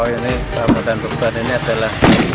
ini ramadan berubah ini adalah